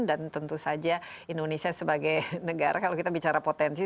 dan tentu saja indonesia sebagai negara kalau kita bicara potensi